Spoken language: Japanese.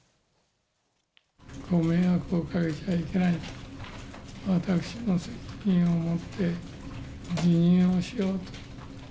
ご迷惑をおかけしちゃいけないと、私の責任をもって、辞任をしようと。